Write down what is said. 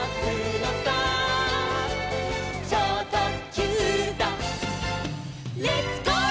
「ちょうとっきゅうだレッツ・ゴー！」